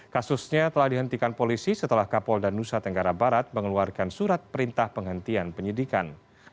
kasusnya telah dihentikan polisi setelah kapolda nusa tenggara barat mengeluarkan surat perintah penghentian penyidikan